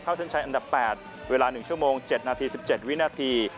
เส้นชัยอันดับ๘เวลา๑ชั่วโมง๗นาที๑๗วินาที